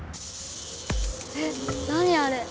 え何あれ？